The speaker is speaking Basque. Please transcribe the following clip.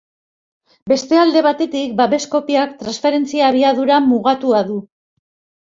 Beste alde batetik, babes-kopiak transferentzia-abiadura mugatua du.